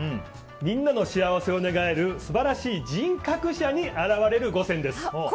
みんなの幸せを願える素晴らしい人格者に現れる５選です。